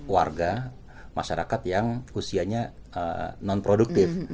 warga masyarakat yang usianya non produktif